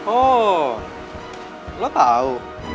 oh lo tau